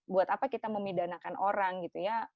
buat apa kita memidanakan orang gitu ya